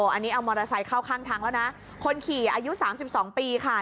อันนี้เอามอเตอร์ไซค์เข้าข้างทางแล้วนะคนขี่อายุสามสิบสองปีค่ะ